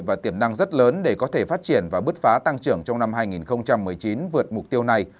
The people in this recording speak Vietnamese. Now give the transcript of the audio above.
và tiềm năng rất lớn để có thể phát triển và bứt phá tăng trưởng trong năm hai nghìn một mươi chín vượt mục tiêu này